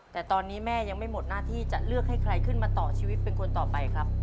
แต่ตอนนี้แม่ยังไม่หมดหน้าที่จะเลือกให้ใครขึ้นมาต่อชีวิตเป็นคนต่อไปครับ